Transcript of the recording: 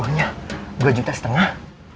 ohnya dua juta setengah